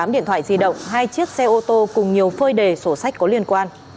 tám điện thoại di động hai chiếc xe ô tô cùng nhiều phơi đề sổ sách có liên quan